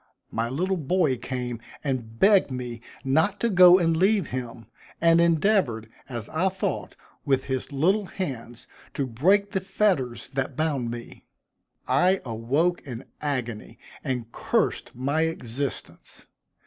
My little boy came and begged me not to go and leave him, and endeavored, as I thought, with his little hands to break the fetters that bound me. I awoke in agony and cursed my existence.